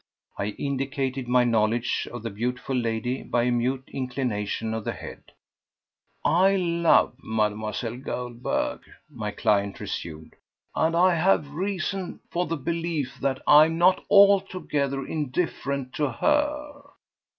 I indicated my knowledge of the beautiful lady by a mute inclination of the head. "I love Mlle. Goldberg," my client resumed, "and I have reason for the belief that I am not altogether indifferent to her.